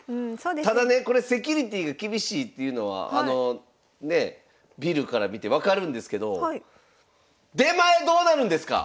ただねこれセキュリティーが厳しいっていうのはあのねえビルから見て分かるんですけど出前どうなるんですか！